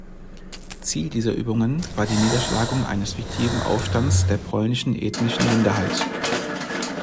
Ziel dieser Übungen war die Niederschlagung eines fiktiven Aufstands der polnischen ethnischen Minderheit.